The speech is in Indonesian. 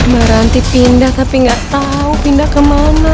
berhenti pindah tapi gak tau pindah kemana